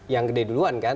yang gede duluan kan